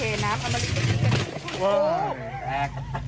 เอาแกเลยแกเลยเอาเลย